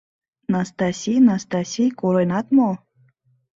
— Настаси, Настаси, коленат мо?